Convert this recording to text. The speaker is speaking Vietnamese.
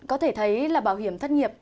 có thể thấy là bảo hiểm thất nghiệp